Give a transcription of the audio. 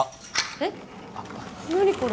えっ何これ？